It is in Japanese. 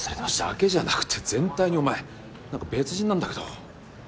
だけじゃなくて全体にお前何か別人なんだけど。